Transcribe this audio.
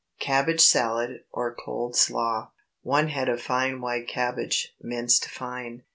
CABBAGE SALAD, OR COLD SLAW. ✠ 1 head of fine white cabbage, minced fine.